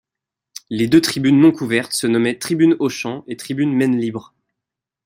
Les deux tribunes non-couvertes se nommaient tribune Auchan et tribune Maine Libre.